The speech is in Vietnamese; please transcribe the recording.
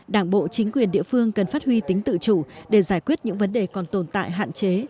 đảng bộ chính quyền địa phương cần phát huy tính tự chủ để giải quyết những vấn đề còn tồn tại hạn chế